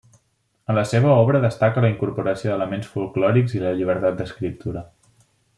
En la seva obra destaca la incorporació d'elements folklòrics i la llibertat d'escriptura.